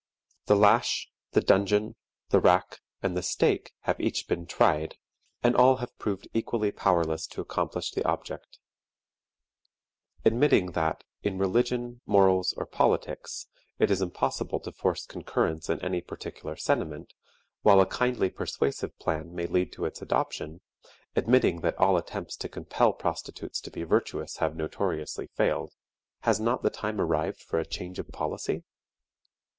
The lash, the dungeon, the rack, and the stake have each been tried, and all have proved equally powerless to accomplish the object. Admitting that, in religion, morals, or politics, it is impossible to force concurrence in any particular sentiment, while a kindly persuasive plan may lead to its adoption; admitting that all attempts to compel prostitutes to be virtuous have notoriously failed; has not the time arrived for a change of policy?